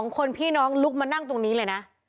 ๒คนพี่น้องลุกมานั่งตรงนี้เลยนะ